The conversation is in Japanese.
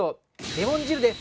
レモン汁です！